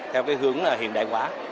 theo hướng hiện đại hóa